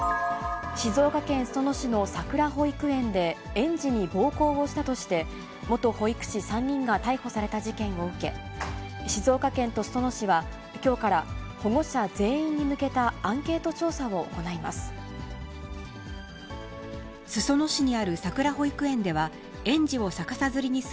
静岡県裾野市のさくら保育園で、園児に暴行をしたとして、元保育士３人が逮捕された事件を受け、静岡県と裾野市は、きょうから保護者全員に向けたアンケート調査を行います。